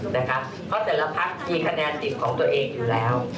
เพราะว่าแต่ละภาพมีคะแนนจริงของตัวเองอยู่แล้ว